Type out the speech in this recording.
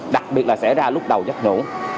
đặc biệt là xảy ra lúc đầu giấc ngủ